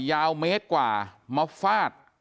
ยาวเมตรกว่ามาฟาด